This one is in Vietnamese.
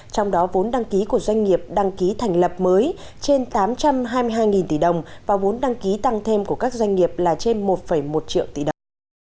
trong đó vốn đăng ký của doanh nghiệp đăng ký thành lập mới trên tám trăm hai mươi hai tỷ đồng và vốn đăng ký tăng thêm của các doanh nghiệp là trên một một triệu tỷ đồng